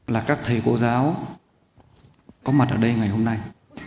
là các thầy cô giáo có mặt ở đây ngày hôm nay